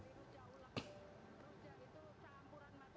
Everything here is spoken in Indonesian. ini jauh lagi itu campuran macam macam